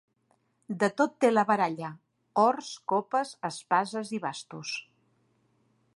De tot té la baralla: ors, copes, espases i bastos.